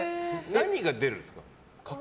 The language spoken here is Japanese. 何が出るんですか？